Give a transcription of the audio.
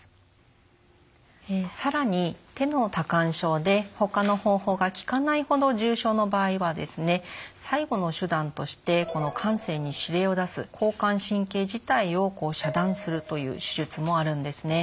更に手の多汗症でほかの方法が効かないほど重症の場合は最後の手段としてこの汗腺に指令を出す交感神経自体を遮断するという手術もあるんですね。